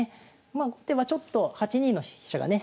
まあ後手はちょっと８二の飛車がね